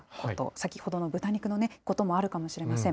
先ほどの豚肉のこともあるかもしれません。